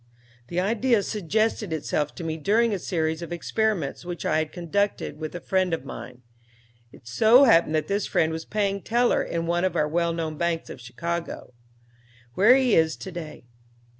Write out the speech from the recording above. "'The idea suggested itself to me during a series of experiments which I had conducted with a friend of mine. It so happened that this friend was paying teller in one of our well known banks of Chicago, where he is to day.